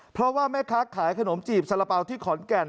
เพราะว่าแม่ค้าขายขนมจีบสารเป๋าที่ขอนแก่น